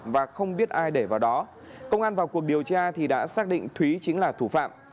và không biết ai để vào đó công an vào cuộc điều tra thì đã xác định thúy chính là thủ phạm